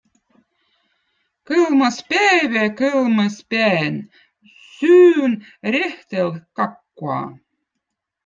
Kõlmõspäive Kõlmõspään süün rehtelkakkua.